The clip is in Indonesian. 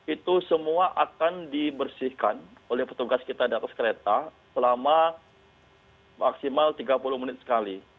itu semua akan dibersihkan oleh petugas kita di atas kereta selama maksimal tiga puluh menit sekali